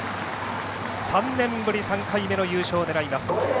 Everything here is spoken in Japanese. ３年ぶり３回目の優勝を狙います。